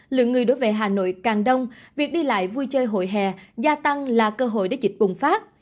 lượng người đối với hà nội càng đông việc đi lại vui chơi hồi hè gia tăng là cơ hội để dịch bùng phát